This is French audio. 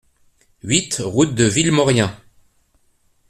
huit route de Villemorien